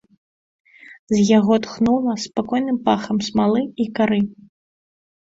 З яго тхнула спакойным пахам смалы і кары.